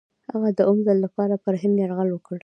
هغه د اووم ځل لپاره پر هند یرغل وکړ.